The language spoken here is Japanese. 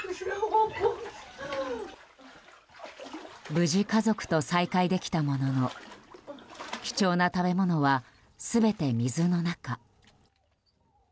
無事、家族と再会できたものの貴重な食べ物は、全て水の中。